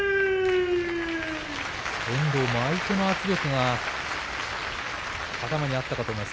遠藤も相手の圧力が頭にあったかと思います。